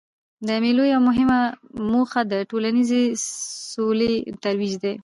د مېلو یوه مهمه موخه د ټولنیزي سولې ترویج دئ.